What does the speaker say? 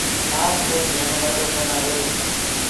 ڪآم ڪوئيٚ نهينو ٻڏو ڪونآ هي